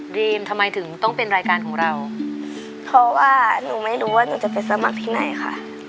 รีมทำไมถึงต้องเป็นรายการของเราเพราะว่าหนูไม่รู้ว่าหนูจะไปสมัครที่ไหนค่ะ